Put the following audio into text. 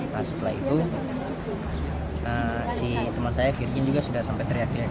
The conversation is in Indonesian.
nah setelah itu si teman saya virgin juga sudah sampai teriak teriak